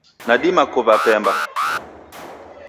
Nadima kuwa pemba